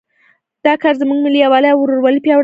دا کار زموږ ملي یووالی او ورورولي پیاوړی کوي